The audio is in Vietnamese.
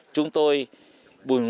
chúng tôi buồn ngủ